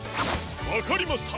わかりました！